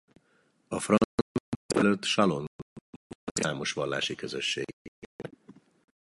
A francia forradalom előtt Salon volt a székhelye számos vallási közösségnek.